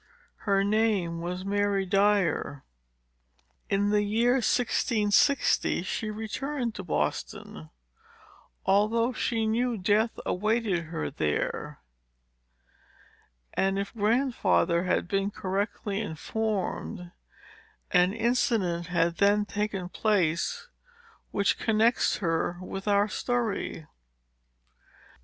Her name was Mary Dyer. In the year 1660 she returned to Boston, although she knew death awaited her there; and, if Grandfather had been correctly informed, an incident had then taken place, which connects her with our story.